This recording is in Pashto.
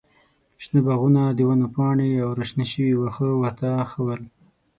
شنه باغونه، د ونو پاڼې او راشنه شوي واښه ورته ښه ول.